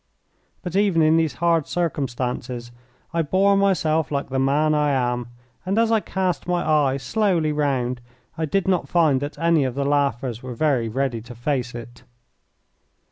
But even in these hard circumstances I bore myself like the man I am, and as I cast my eye slowly round I did not find that any of the laughers were very ready to face it.